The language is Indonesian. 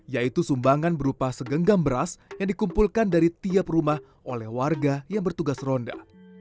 yaitu sumbangan berupa segenggam beras yang dikumpulkan dari tiap rumah oleh warga yang bertugas ronda